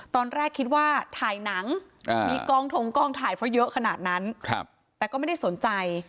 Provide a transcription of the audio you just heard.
ตอนแรกคิดว่าถ่ายหนังมีกองถงกองถ่ายเพราะเยอะขนาดนั้นแต่ก็ไม่ได้สนใจ